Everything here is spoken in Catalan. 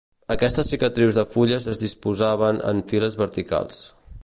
Aquestes cicatrius de fulles es disposaven en files verticals.